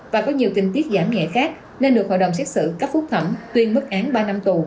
và có nhiều tình tiết giảm nhẹ khác nên được hội đồng xét xử cấp phúc thẩm tuyên mức án ba năm tù